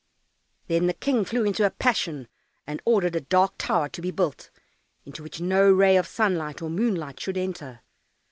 Then the King flew into a passion, and ordered a dark tower to be built, into which no ray of sunlight or moonlight should enter.